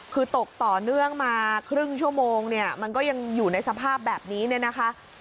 คือตกต่อเนื่องมาครึ่งชั่วโมงเนี่ยมันก็ยังอยู่ในสภาพแบบนี้เนี่ยนะคะ